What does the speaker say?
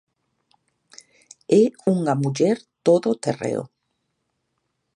É unha muller todo terreo.